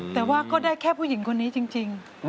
แต่ว่าก็ได้แค่ผู้หญิงคนนี้จริง